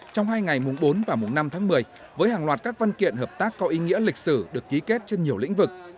trong hai ngày mùng bốn và mùng năm tháng một mươi với hàng loạt các văn kiện hợp tác có ý nghĩa lịch sử được ký kết trên nhiều lĩnh vực